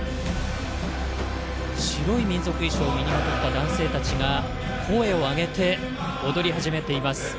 白い民族衣装を身にまとった男性たちが声を上げて踊り始めています。